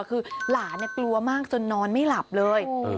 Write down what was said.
คือหลานกลัวมากจนนอนไม่หลับเลย